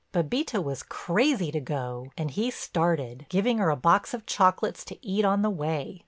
Bébita was crazy to go, and he started, giving her a box of chocolates to eat on the way.